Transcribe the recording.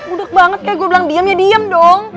udek banget kayak gua bilang diem ya diem dong